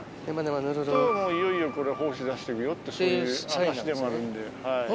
いよいよ胞子出してるよってそういう証しでもあるんで。